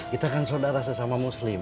kita kan saudara sesama muslim